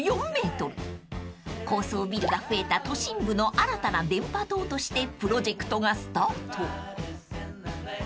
［高層ビルが増えた都心部の新たな電波塔としてプロジェクトがスタート］